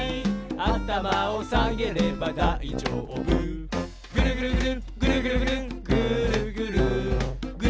「あたまをさげればだいじょうぶ」「ぐるぐるぐるぐるぐるぐるぐーるぐる」